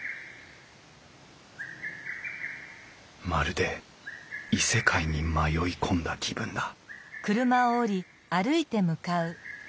まるで異世界に迷い込んだ気分だ